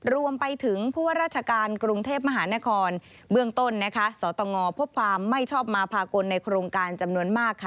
รวมไปถึงผู้ว่าราชการกรุงเทพมหานครเบื้องต้นสตงพบความไม่ชอบมาพากลในโครงการจำนวนมาก